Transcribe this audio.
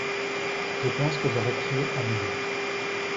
Je pense que j'arrêterai à mille.